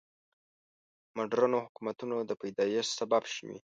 مډرنو حکومتونو د پیدایښت سبب شوي.